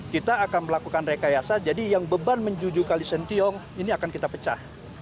kita akan melakukan rekayasa jadi yang beban menjujuk kalisentiong ini akan kita pecah